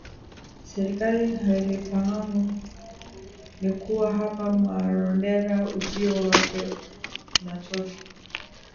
serikali hailifahamu ni kuwa hapa Marondera ujio wake unatosha